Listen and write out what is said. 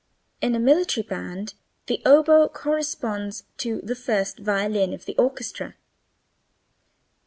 In a military band the oboe corresponds to the first violin of the orchestra.